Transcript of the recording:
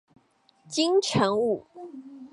金城武